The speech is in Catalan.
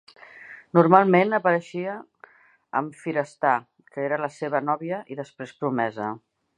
Normalment apareixia amb Firestar, que era la seva nòvia i després promesa.